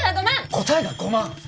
答えが５万！？